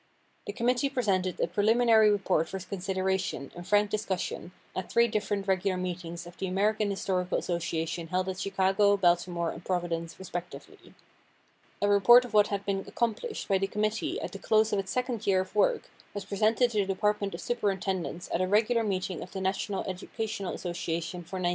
The committee presented a preliminary report for consideration and frank discussion at three different regular meetings of the American Historical Association held at Chicago, Baltimore and Providence respectively. A report of what had been accomplished by the committee at the close of its second year of work, was presented to the Department of Superintendents at a regular meeting of the National Educational Association for 1907.